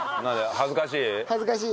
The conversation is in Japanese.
恥ずかしい。